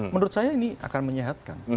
menurut saya ini akan menyehatkan